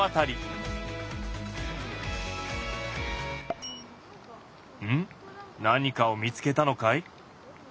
何かを見つけたのかい？